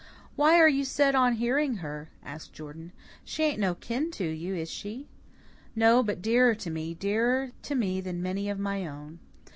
"Why are you so set on hearing her?" asked Jordan. "She ain't no kin to you, is she?" "No, but dearer to me dearer to me than many of my own.